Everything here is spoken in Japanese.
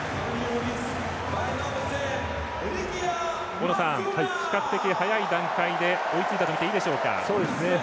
大野さん、比較的、早い段階で追いついたと見ていいでしょうか。